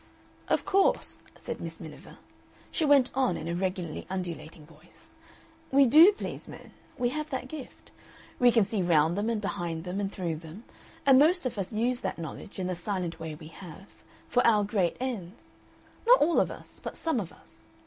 "Of course," said Miss Miniver she went on in a regularly undulating voice "we DO please men. We have that gift. We can see round them and behind them and through them, and most of us use that knowledge, in the silent way we have, for our great ends. Not all of us, but some of us.